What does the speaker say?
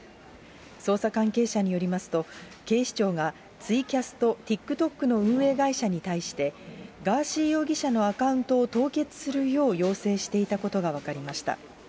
捜査関係者によりますと、警視庁がツイキャスとＴｉｋＴｏｋの運営会社に対して、ガーシー容疑者のアカウントを凍結するよう要請していたことが分かりました。